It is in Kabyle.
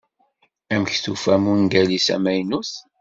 Amek tufam ungal-is amaynut?